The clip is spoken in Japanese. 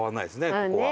ここは。